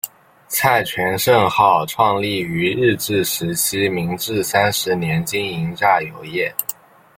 蔡泉盛号创立于日治时期明治三十年经营榨油业。